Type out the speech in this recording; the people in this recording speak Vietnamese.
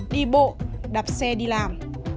đi bộ đạp xe đi làm